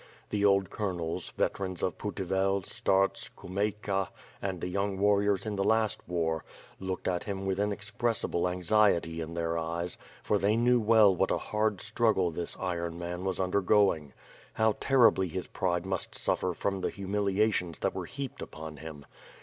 The old colonels, veterans of Putivel, Starts, Ku meyka, and the young warriors in the last war, looked at him with inexpressible anxiety in their eyes, for they knew well what a hard struggle this iron man was undergoing. How terribly his pride must suffer from the humiliations that were heaped upon him.